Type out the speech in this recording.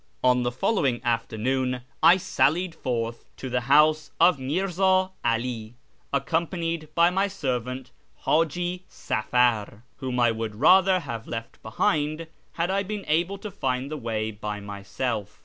On the following afternoon I sallied forth to the house of Mirza 'Ali, accompanied by my servant, Haji Safar, whom I would rather have left behind had I been able to find the way by myself.